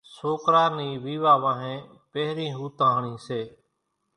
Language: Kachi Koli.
سوڪرا نِي ويوا وانھين پھرين ھوتاۿڻي سي۔